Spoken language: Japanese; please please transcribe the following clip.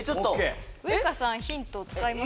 ウイカさんヒント使いますか？